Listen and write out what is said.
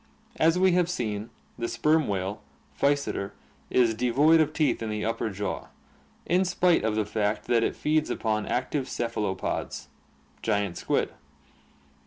As we have seen, the sperm whale, Physeter, is devoid of teeth in the upper jaw, in spite of the fact that it feeds upon active cephalopods (giant squid).